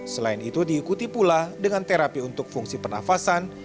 selain itu diikuti pula dengan terapi untuk fungsi pernafasan